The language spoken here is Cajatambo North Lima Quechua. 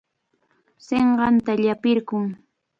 Sinqanta llapirqun.